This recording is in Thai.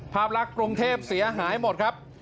ภาพลักษณ์กรุงเทพเสียหายหมดครับ